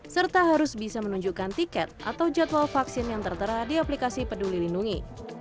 serta harus bisa menunjukkan tiket atau jadwal vaksin yang tertera di aplikasi peduli lindungi